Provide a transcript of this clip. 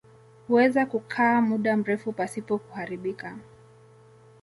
Huweza kukaa muda mrefu pasipo kuharibika.